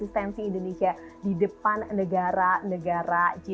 jika ketika nanti penyelenggara yang menghargai